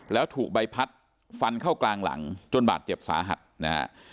แล้วถูกใบพัดฟันเข้ากลางหลังจนบาดเจ็บสาหัสนะฮะ